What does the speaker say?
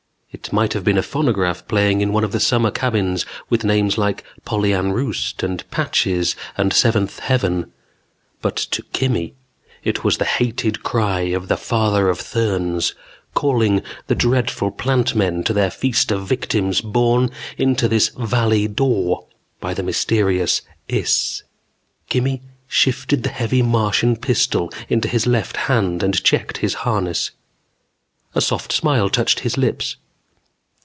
It might have been a phonograph playing in one of the summer cabins with names like Polly Ann Roost and Patches and Seventh Heaven, but to Kimmy it was the hated cry of the Father of Therns calling the dreadful Plant Men to their feast of victims borne into this Valley Dor by the mysterious Iss. Kimmy shifted the heavy Martian pistol into his left hand and checked his harness. A soft smile touched his lips.